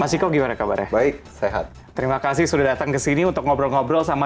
mas iko gimana kabarnya baik sehat terima kasih sudah datang ke sini untuk ngobrol ngobrol sama